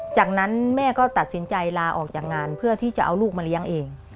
จากนั้นแม่ก็ตัดสินใจลาออกจากงานเพื่อที่จะเอาลูกมาเลี้ยงเอง